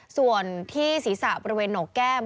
ส่วนที่ศีรษะบริเวณโหนกแก้ม